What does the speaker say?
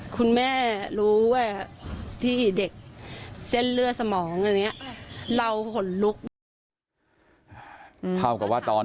คุณแม่รู้ว่าที่เด็กเส้นเลือดสมองเราห่วงลุกเท่ากับว่าตอน